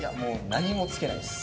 何もつけないです。